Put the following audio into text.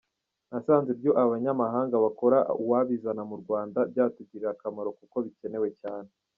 Nasanze ibyo abanyamahanga bakora uwabizana mu Rwanda, byatugirira akamaro kuko bikenewe cyane.